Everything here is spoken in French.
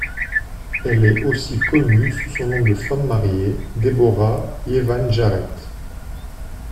Elle est aussi connue sous son nom de femme mariée, Deborah Jevans-Jarrett.